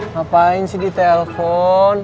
ngapain sih di telpon